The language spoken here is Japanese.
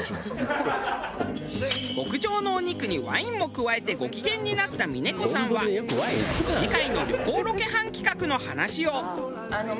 極上のお肉にワインも加えてご機嫌になった峰子さんは次回の旅行ロケハン企画の話を。